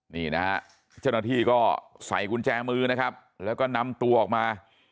นี่นะฮะเจ้าหน้าที่ก็ใส่กุญแจมือนะครับแล้วก็นำตัวออกมา